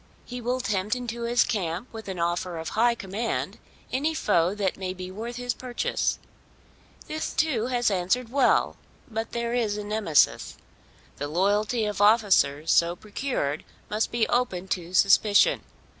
He will tempt into his camp with an offer of high command any foe that may be worth his purchase. This too has answered well; but there is a Nemesis. The loyalty of officers so procured must be open to suspicion.